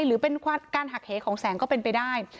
หรือเป็นการหักเหของแสงก็เป็นไปได้